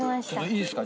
いいですか？